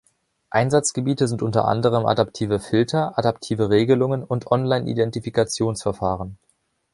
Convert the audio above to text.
Einsatzgebiete sind unter anderem adaptive Filter, adaptive Regelungen und Online-Identifikationsverfahren.